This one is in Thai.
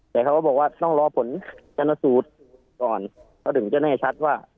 แต่เขาก็บอกว่าต้องรอผลชนสูตรก่อนเขาถึงจะแน่ชัดว่า